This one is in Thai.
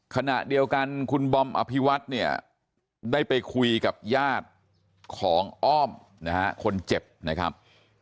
ขณะเดียวกันคุณบอมอภิวัตได้ไปคุยกับญาติของอ้อมคนเจ็บนะครับ